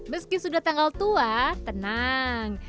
meski sudah tanggal tua tenang